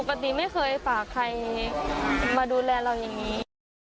ปกติไม่เคยฝากใครมาดูแลเราอย่างนี้